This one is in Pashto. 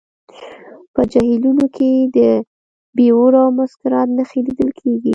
په جهیلونو کې د بیور او مسکرات نښې لیدل کیږي